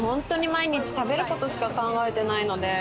毎日食べることしか考えてないので。